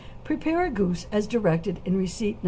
= Prepare a goose as directed in receipt No.